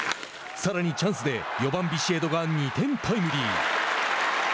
さらにチャンスで４番ビシエドが２点タイムリー。